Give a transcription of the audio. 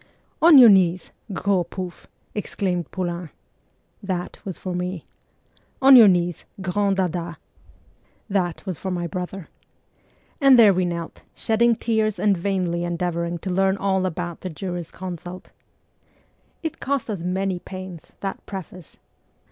' On your knees, gros pouft !' exclaimed Poulain. (That was for me.) ' On your knees, grand dada !' c 2 20 MEMOIRS OF A REVOLUTIONIST (That was for my brother.) And there we knelt, shedding tears and vainly endeavouring to learn all about the jurisconsult. It cost us many pains, that preface